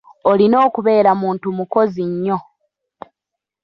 Olina okubeera muntu mukozi nnyo.